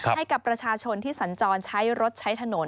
ให้กับประชาชนที่สัญจรใช้รถใช้ถนน